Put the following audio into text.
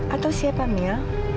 atau siapa mia